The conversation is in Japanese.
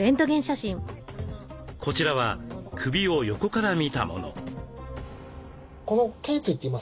こちらは首を横から見たもの。